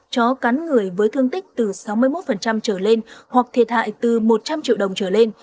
chó cắn người với thương tích từ sáu mươi một trở lên hoặc thiệt hại từ một trăm linh triệu đồng trở lên